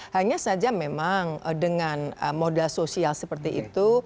hanya saja memang dengan modal sosial seperti itu